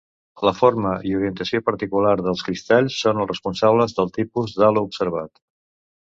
La forma i orientació particular dels cristalls són els responsables del tipus d'halo observat.